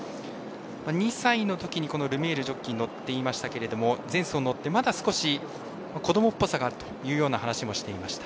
２歳のときにルメールジョッキーが乗っていましたけども前走乗って、まだ少し子どもっぽさがあるというような話もしています。